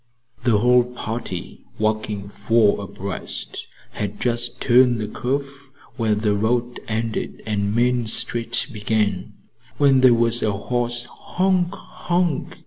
The whole party, walking four abreast, had just turned the curve where the road ended and Main Street began, when there was a hoarse honk! honk!